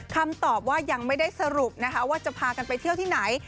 คำตอบว่ายังไม่ได้สรุปนะคะว่าจะพากันไปเที่ยวที่ไหน